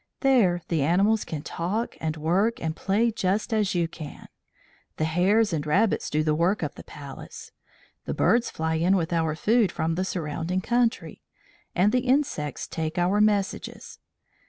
"There, the animals can talk and work and play just as you can. The hares and rabbits do the work of the Palace; the birds fly in with our food from the surrounding country; and the insects take our messages.